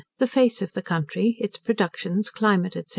The Face of the Country; its Productions, Climate, &c.